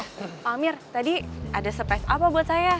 oh iya pak amir tadi ada surprise apa buat saya